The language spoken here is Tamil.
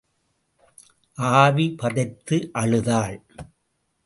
ஆவி பதைத்து அழுதாள்.